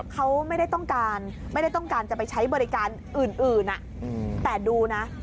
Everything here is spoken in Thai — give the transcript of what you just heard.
เขาไม่ได้ต้องการจะไปใช้บริการอื่นแต่ดูนะ